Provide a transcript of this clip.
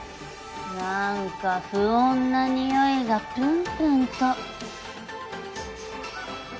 何か不穏なにおいがぷんぷんと。